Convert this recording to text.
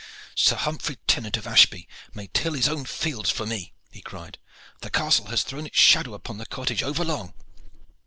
"Sir Humphrey Tennant of Ashby may till his own fields for me," he cried. "The castle has thrown its shadow upon the cottage over long.